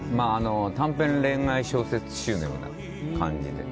短編恋愛小説集みたいな感じで。